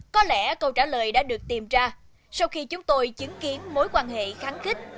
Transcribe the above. có lẽ câu trả lời đã được tìm ra sau khi chúng tôi chứng kiến mối quan hệ kháng kích